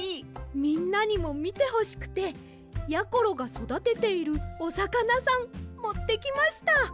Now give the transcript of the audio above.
みんなにもみてほしくてやころがそだてているおさかなさんもってきました。